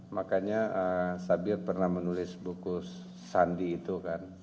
makanya sabir pernah menulis buku sandi itu kan